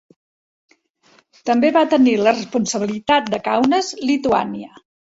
També va tenir la responsabilitat de Kaunas, Lituània.